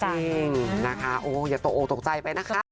จริงนะคะโอ้อย่าตกออกตกใจไปนะคะ